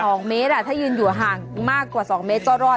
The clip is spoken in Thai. สองเมตรอ่ะถ้ายืนอยู่ห่างมากกว่าสองเมตรก็รอด